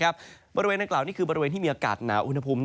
บริเวณดังกล่าวนี่คือบริเวณที่มีอากาศหนาวอุณหภูมิ